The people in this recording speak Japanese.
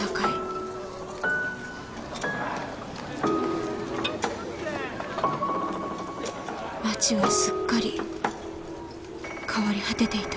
心の声街はすっかり変わり果てていた。